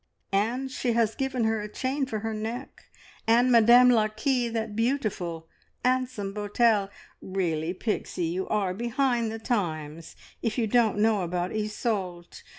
And she has given her a chain for her neck, and Madame la Marquise that beautiful 'ansome botelle. Really, Pixie, you are behind the times if you don't know about Isoult.